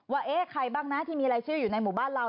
เอ๊ะใครบ้างนะที่มีรายชื่ออยู่ในหมู่บ้านเรา